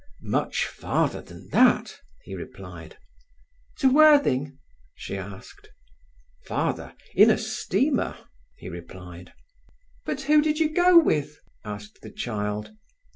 "Much farther than that," he replied. "To Worthing?" she asked. "Farther—in a steamer," he replied. "But who did you go with?" asked the child.